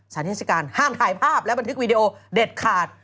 สารญาชิการห้ามถ่ายภาพแล้วมันทิ้งวิดีโอเด็ดขาด